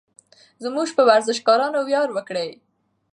زموږ په ورزشکارانو ویاړ وکړئ.